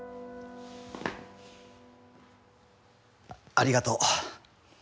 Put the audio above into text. ありがとう。